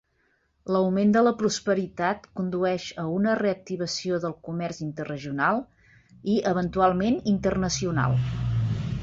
L'augment de la prosperitat condueix a una reactivació del comerç interregional i eventualment internacional.